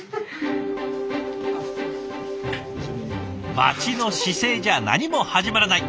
待ちの姿勢じゃ何も始まらない。